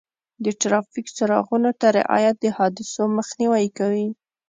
د ټرافیک څراغونو ته رعایت د حادثو مخنیوی کوي.